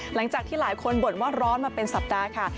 หลังจากที่หลายคนบ่นว่าร้อนมาเป็นสัปดาห์ค่ะ